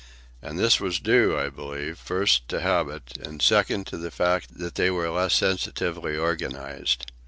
And this was due, I believe, first, to habit; and second, to the fact that they were less sensitively organized.